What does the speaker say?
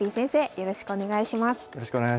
よろしくお願いします。